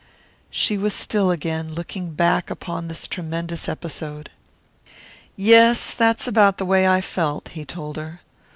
She was still again, looking back upon this tremendous episode. "Yes, that's about the way I felt," he told her.